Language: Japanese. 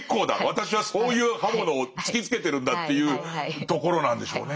私はそういう刃物を突きつけてるんだっていうところなんでしょうね。